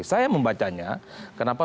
saya membacanya kenapa